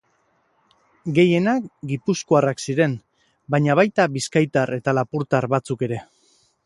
Gehienak gipuzkoarrak ziren, baina baita bizkaitar eta lapurtar batzuk ere.